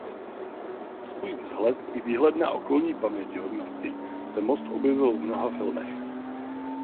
Pro svůj vzhled i výhled na okolní pamětihodnosti se most objevil v mnoha filmech.